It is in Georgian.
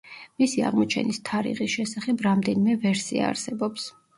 მისი აღმოჩენის თარიღის შესახებ რამდენიმე ვერსია არსებობს.